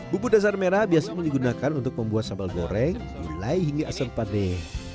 bumbu dasar merah biasa digunakan untuk membuat sambal goreng gulai hingga asam paning